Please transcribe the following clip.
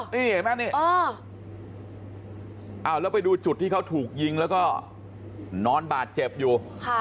นี่เห็นไหมนี่แล้วไปดูจุดที่เขาถูกยิงแล้วก็นอนบาดเจ็บอยู่